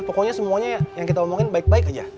pokoknya semuanya yang kita omongin baik baik aja